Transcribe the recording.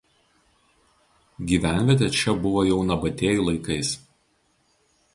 Gyvenvietė čia buvo jau nabatėjų laikais.